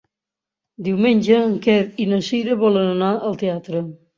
Diumenge en Quer i na Cira volen anar al teatre.